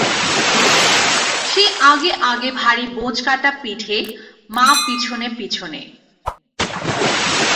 সে আগে আগে ভারী বোঁচকাটা পিঠে, মা পিছনে পিছনে।